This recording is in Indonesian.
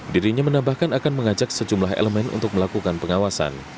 dirinya menambahkan akan mengajak sejumlah elemen untuk melakukan pengawasan